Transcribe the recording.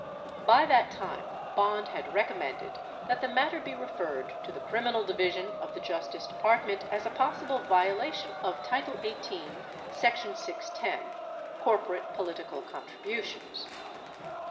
By that time, Bond had recommended that the matter be referred to the Criminal Division of the Justice Depart ment as a possible violation of title 18, section 610 (corporate political contributions)